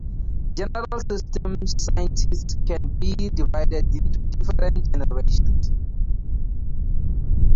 General systems scientists can be divided into different generations.